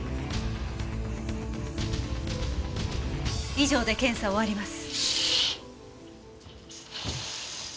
以上で検査を終わります。